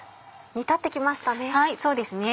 煮立って来ましたね。